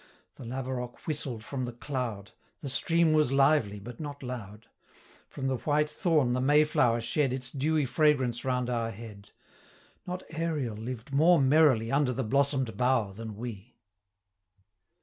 The laverock whistled from the cloud; The stream was lively, but not loud; From the white thorn the May flower shed Its dewy fragrance round our head: 180 Not Ariel lived more merrily Under the blossom'd bough, than we.